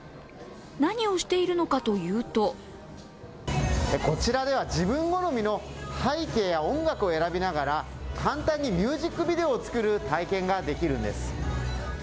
何をしているのかというとこちらでは自分好みの背景や音楽を選びながら簡単にミュージックビデオを作る体験ができるんです。